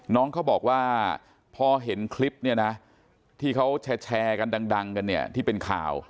น้องเขาบอกว่าพอเห็นคลิปที่เขาแชร์กันดังกันที่เป็นข่าว